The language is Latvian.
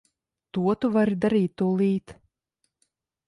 To tu vari darīt tūlīt.